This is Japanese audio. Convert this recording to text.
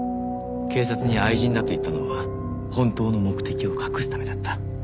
警察に愛人だと言ったのは本当の目的を隠すためだった。